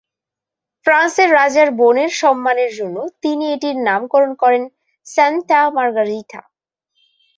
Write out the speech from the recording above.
ফ্রান্সের রাজার বোনের সম্মানের জন্য তিনি এটির নামকরণ করেন "সান্তা মার্গারিটা"।